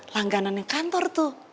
langganannya kantor tuh